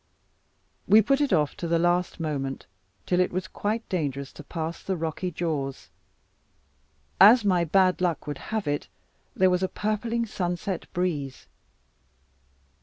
We put it off to the last moment, till it was quite dangerous to pass the rocky jaws. As my bad luck would have it, there was a purpling sunset breeze.